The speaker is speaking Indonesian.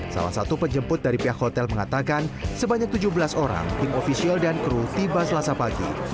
salah satu penjemput dari pihak hotel mengatakan sebanyak tujuh belas orang tim ofisial dan kru tiba selasa pagi